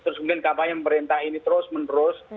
terus mungkin kapalnya pemerintah ini terus menerus